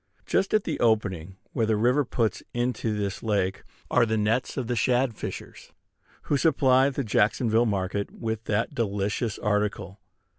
Just at the opening where the river puts into this lake are the nets of the shad fishers, who supply the Jacksonville market with that delicious article.